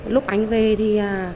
lúc anh về thì